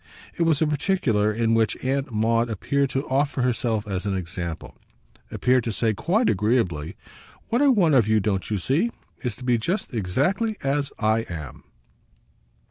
It was a particular in which Aunt Maud appeared to offer herself as an example, appeared to say quite agreeably: "What I want of you, don't you see? is to be just exactly as I am."